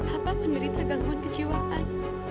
apa menerita gangguan kejiwaan